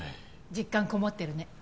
実感こもってるね。